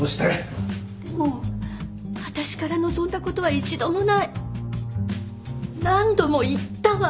でも私から望んだことは一度もない何度も言ったわ。